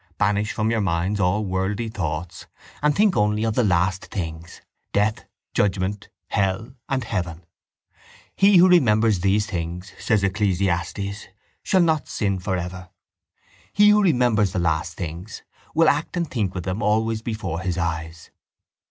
Banish from your minds all worldly thoughts and think only of the last things, death, judgement, hell and heaven. He who remembers these things, says Ecclesiastes, shall not sin for ever. He who remembers the last things will act and think with them always before his eyes.